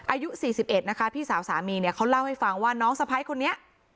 อายุ๔๑นะคะพี่สาวสามีเนี่ยเขาเล่าให้ฟังว่าน้องสะพ้ายคนนี้